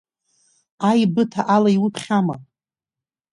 Аибыҭа ала иуԥхьама?